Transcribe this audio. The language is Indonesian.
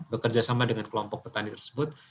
bekerja sama dengan kelompok petani tersebut